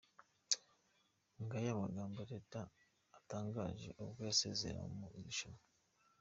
Ngaya amagambo Teta atangaje ubwo yasezeraga mu irushanwa.